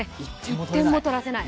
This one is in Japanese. １点も取らせない。